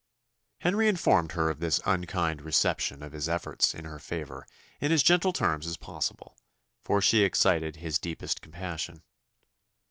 Henry informed her of this unkind reception of his efforts in her favour in as gentle terms as possible, for she excited his deepest compassion.